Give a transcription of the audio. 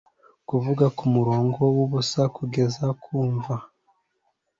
Gusa kuva kumurongo wubusa kugeza ku mva